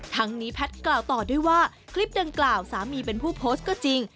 ทั้งนี้แพทย์กล่าวต่อด้วยว่าคลิปดังกล่าวสามีเป็นผู้โพสต์ก็จริง